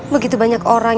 begitu banyak orang